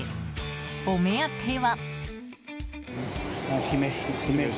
お目当ては。